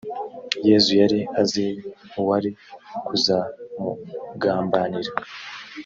yezu yari azi uwari kuzamugambanira.